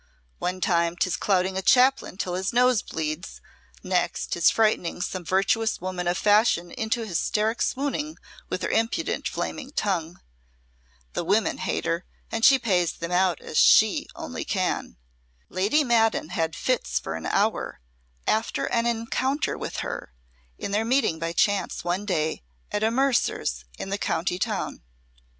One time 'tis clouting a Chaplain till his nose bleeds; next 'tis frightening some virtuous woman of fashion into hysteric swooning with her impudent flaming tongue. The women hate her, and she pays them out as she only can. Lady Maddon had fits for an hour, after an encounter with her, in their meeting by chance one day at a mercer's in the county town.